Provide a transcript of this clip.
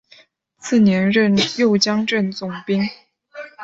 次年任右江镇总兵。